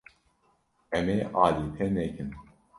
Em ê alî te nekin.